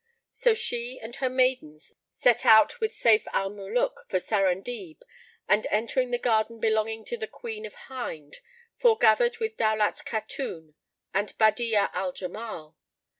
So she and her maidens set out with Sayf al Muluk for Sarandib and, entering the Garden belonging to the Queen of Hind, foregathered with Daulat Khatun and Badi'a al Jamal.